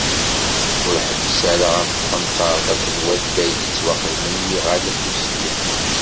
Ur ḥebbes ara ɣef tqenṭert, akked wadeg yettwaxedmen i yiɣallen n usellek.